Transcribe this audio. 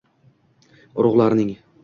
urug’larning